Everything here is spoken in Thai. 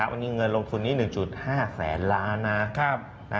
วันนี้เงินลงทุนนี้๑๕แสนล้านนะ